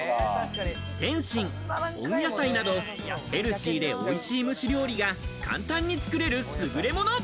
点心、温野菜など、ヘルシーで美味しい蒸し料理が簡単に作れる優れもの。